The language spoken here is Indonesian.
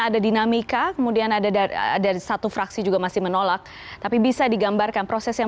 ada dinamika kemudian ada dari satu fraksi juga masih menolak tapi bisa digambarkan proses yang